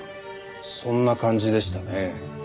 そんな感じでしたね。